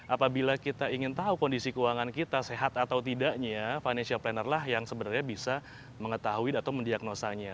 apabila kita ingin tahu kondisi keuangan kita sehat atau tidaknya financial planner lah yang sebenarnya bisa mengetahui atau mendiagnosanya